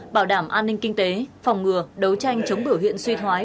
bảo đảm an ninh kinh tế phòng ngừa đấu tranh chống biểu hiện suy thoái